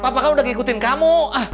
papa kan udah ngikutin kamu